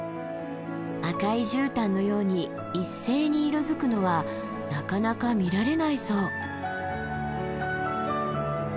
赤いじゅうたんのように一斉に色づくのはなかなか見られないそう。